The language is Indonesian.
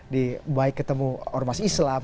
di baik ketemu ormas islam